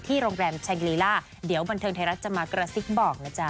โรงแรมแชงลีล่าเดี๋ยวบันเทิงไทยรัฐจะมากระซิบบอกนะจ๊ะ